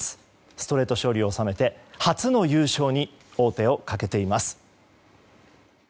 ストレート勝利を収めて初の優勝に王手をかけています。